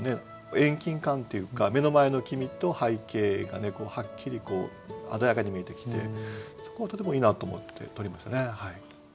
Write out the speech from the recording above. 遠近感っていうか目の前のきみと背景がはっきり鮮やかに見えてきてそこがとてもいいなと思って取りましたね。